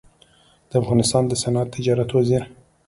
د افغانستان د صنعت تجارت وزیر